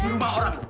udah oke dong